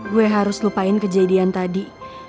gue harus lupain kejadian tadi